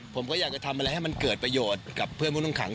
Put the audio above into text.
ผมก็อยากจะทำอะไรให้มันเกิดประโยชน์กับเพื่อนผู้ต้องขัง